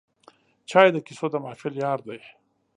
چای د کیسو د محفل یار دی